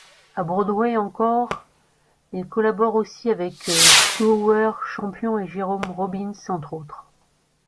À Broadway encore, il collabore aussi avec Gower Champion et Jerome Robbins, entre autres.